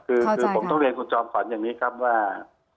คือผมต้องเรียนคุณจอมขวัญอย่างนี้ครับว่า